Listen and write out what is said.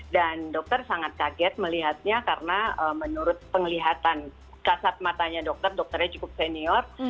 dan dokter sangat kaget melihatnya karena menurut penglihatan kasat matanya dokter dokternya cukup senior